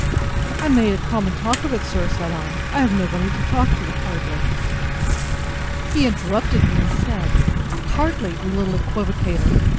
—I made a common talk of it, sir! said I: I have nobody to talk to, hardly. He interrupted me, and said, Hardly! you little equivocator!